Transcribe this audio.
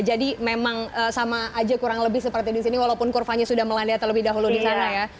jadi memang sama aja kurang lebih seperti di sini walaupun kurvanya sudah melandai atau lebih dahulu di sana ya